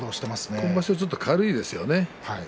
今場所ちょっと軽いですよね。